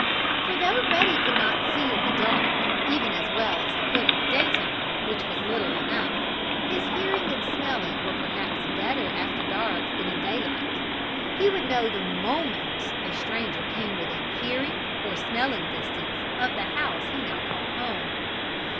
For though Ruddy could not see in the dark, even as well as he could in the daytime, which was little enough, his hearing and smelling were perhaps better after dark than in daylight. He would know the moment a stranger came within hearing, or smelling, distance of the house he now called home.